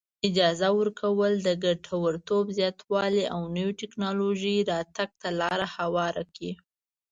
اجاره ورکول د ګټورتوب زیاتوالي او نوې ټیکنالوجۍ راتګ ته لار هواره کړي.